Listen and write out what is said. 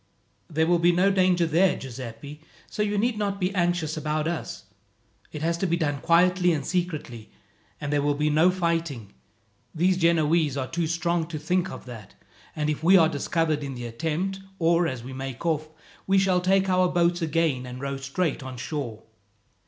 "There will be no danger there, Giuseppi, so you need not be anxious about us. It has to be done quietly and secretly, and there will be no fighting. These Genoese are too strong to think of that; and if we are discovered in the attempt, or as we make off, we shall take to our boats again and row straight on shore.